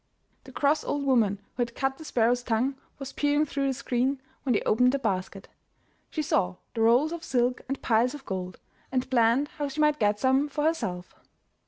The cross old woman who had cut the sparrow's tongue was peering through the screen when they opened their basket. She saw the rolls of silk and piles of gold, and planned how she might get some for herself.